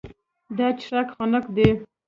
دا څښاک خنک دی.